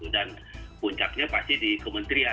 dan puncaknya pasti di kementerian